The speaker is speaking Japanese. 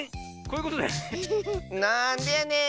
なんでやねん！